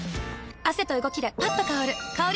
汗と動きでパッと香る香り